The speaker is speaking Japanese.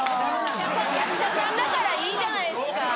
役者さんだからいいじゃないですか。